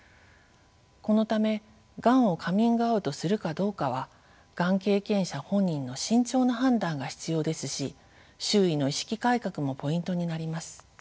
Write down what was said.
このためがんをカミングアウトするかどうかはがん経験者本人の慎重な判断が必要ですし周囲の意識改革もポイントになります。